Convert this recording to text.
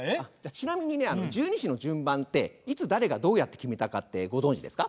ちなみにね十二支の順番っていつ誰がどうやって決めたかってご存じですか？